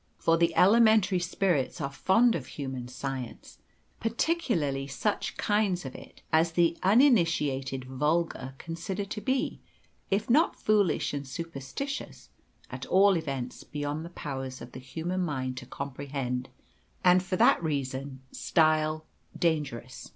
For the elementary spirits are fond of human science, particularly such kinds of it as the uninitiated vulgar consider to be, if not foolish and superstitious, at all events beyond the powers of the human mind to comprehend, and for that reason style 'dangerous.'